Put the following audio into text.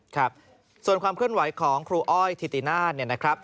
ครับส่วนความเคลื่อนไหวของครูอ้อยธิตินาศเนี่ยนะครับ